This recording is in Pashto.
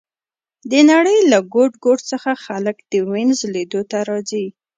د نړۍ له ګوټ ګوټ څخه خلک د وینز لیدو ته راځي